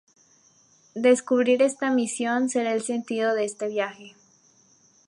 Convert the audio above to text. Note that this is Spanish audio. Descubrir esta misión será el sentido de este viaje.